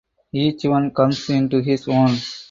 Each one comes into his own.